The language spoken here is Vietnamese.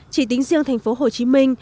chỉ tính riêng thành phố hồ chí minh